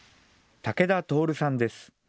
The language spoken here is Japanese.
武田徹さんです。